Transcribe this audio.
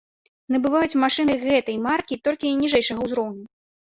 Набываюць машыны гэтай маркі толькі ніжэйшага ўзроўню.